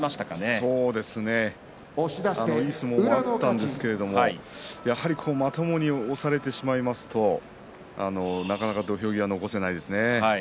そうですねいい相撲もあったんですけれどもやはり、まともに押されてしまいますとなかなか土俵際、残せないですね。